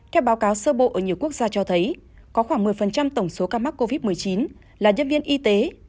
theo báo cáo sơ bộ ở nhiều quốc gia cho thấy có khoảng một mươi tổng số ca mắc covid một mươi chín là nhân viên y tế